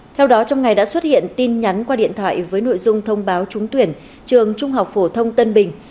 theo đó trong ngày đã xuất hiện tin nhắn qua điện thoại với nội dung thông báo trúng tuyển trường trung học phổ thông tân bình